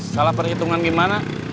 salah perhitungan gimana